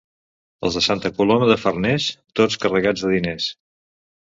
Els de Santa Coloma de Farners, tots carregats de diners.